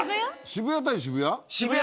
渋谷対渋谷。